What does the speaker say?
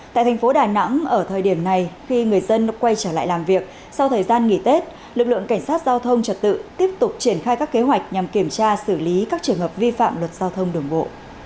tại thành phố đà nẵng ở thời điểm này khi người dân quay trở lại làm việc sau thời gian nghỉ tết lực lượng cảnh sát giao thông trật tự tiếp tục triển khai các kế hoạch nhằm kiểm tra xử lý các trường hợp vi phạm luật giao thông đường bộ